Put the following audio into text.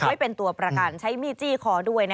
ไว้เป็นตัวประกันใช้มีดจี้คอด้วย